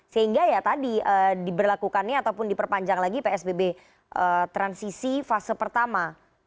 sehingga ya tadi diberlakukannya ataupun diperpanjang lagi psbb transisi fase pertama